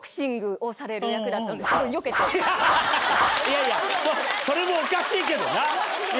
いやいやそれもおかしいけどな。